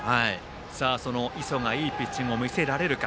その磯がいいピッチングを見せられるか。